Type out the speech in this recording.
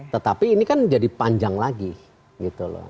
tetapi ini kan jadi panjang lagi gitu loh